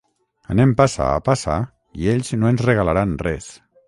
Anem passa a passa i ells no ens regalaran res.